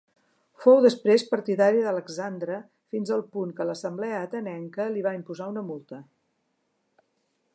Fou després partidari d'Alexandre fins al punt que l'assemblea atenenca li va imposar una multa.